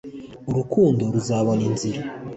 urukundo ruzabona inzira